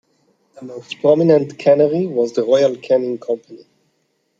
The most prominent cannery was the Royal Canning Company.